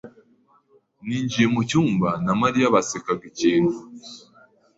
Ninjiye mucyumba, na Mariya basekaga ikintu.